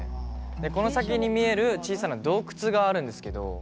この先に見える小さな洞窟があるんですけど。